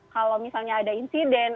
kalau misalnya ada insiden